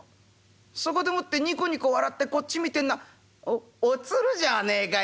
そこでもってニコニコ笑ってこっち見てんのはお鶴じゃねえかよ。